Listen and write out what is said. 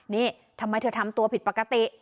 นี่ทำไมเธอทำตัวผิดปกติ